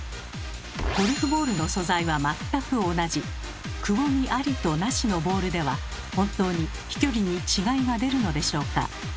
ゴルフボールの素材は全く同じくぼみありとなしのボールでは本当に飛距離に違いが出るのでしょうか。